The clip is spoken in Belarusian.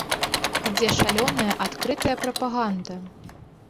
Ідзе шалёная адкрытая прапаганда!